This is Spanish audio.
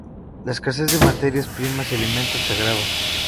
La escasez de materias primas y alimentos se agrava.